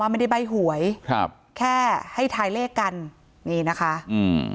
ไม่ได้ใบ้หวยครับแค่ให้ทายเลขกันนี่นะคะอืม